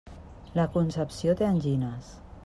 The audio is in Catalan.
La Concepció té angines.